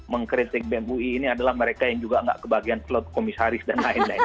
mengkritik bem ui ini adalah mereka yang juga nggak kebagian plot komisaris dan lain lain